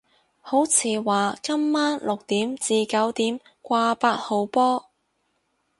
好似話今晚六點至九點掛八號波